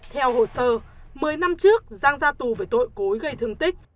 theo hồ sơ một mươi năm trước giang ra tù về tội cối gây thương tích